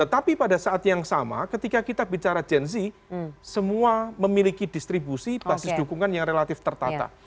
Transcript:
tetapi pada saat yang sama ketika kita bicara gen z semua memiliki distribusi basis dukungan yang relatif tertata